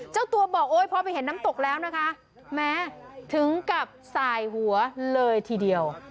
เจ้าตัวบอกโอ๊ยพอไปเห็นน้ำตกแล้วนะคะแม้ถึงกับสายหัวเลยทีเดียว